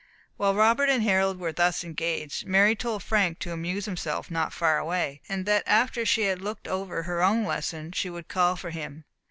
While Robert and Harold were thus engaged, Mary told Frank to amuse himself not far away, and that after she had looked over her own lessons she would call for him.